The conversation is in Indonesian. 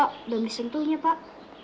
udah bisa sentuhnya pak